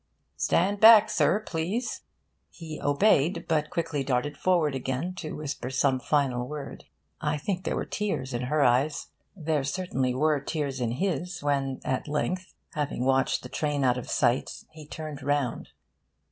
'Stand back, sir, please!' He obeyed, but quickly darted forward again to whisper some final word. I think there were tears in her eyes. There certainly were tears in his when, at length, having watched the train out of sight, he turned round.